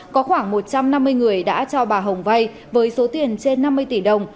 có khoảng một trăm năm mươi người đã cho bà hồng vay với số tiền trên năm mươi tỷ đồng